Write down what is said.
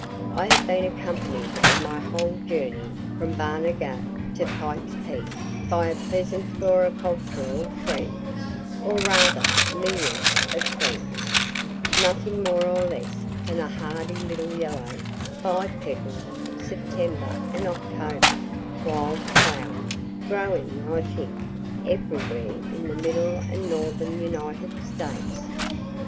I have been accompanied on my whole journey from Barnegat to Pike's peak by a pleasant floricultural friend, or rather millions of friends nothing more or less than a hardy little yellow five petal'd September and October wild flower, growing I think everywhere in the middle and northern United States.